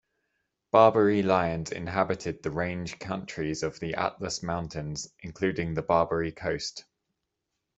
Barbary lions inhabited the range countries of the Atlas Mountains including the Barbary Coast.